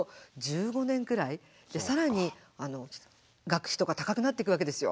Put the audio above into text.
更に学費とか高くなっていくわけですよ。